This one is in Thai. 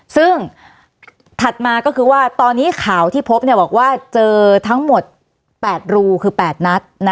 ซึ่งถัดมาก็คือว่าตอนนี้ข่าวที่พบบอกว่าเจอทั้งหมด๘รูคือ๘นัด